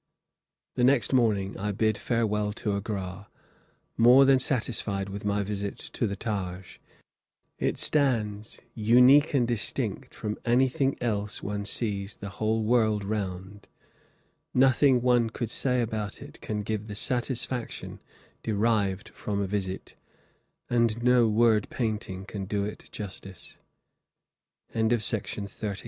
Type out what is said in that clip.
The next morning I bid farewell to Agra, more than satisfied with my visit to the Taj. It stands unique and distinct from anything else one sees the whole world round. Nothing one could say about it can give the satisfaction derived from a visit, and no word painting can do it justice. CHAPTER XVI. FROM AGRA TO SINGAPORE. A couple of m